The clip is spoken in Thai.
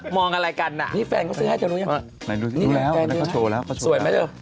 มองอะไรกันน่ะนี่แฟนก็ซื้อให้เจ้านู้นยังดูแล้วแล้วก็โชว์แล้วสวยไหมเถอะ